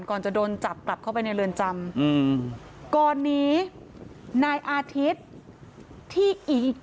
ก่อนจะโดนจับกลับเข้าไปในเรือนจำอืมก่อนหนีนายอาทิตย์ที่อีก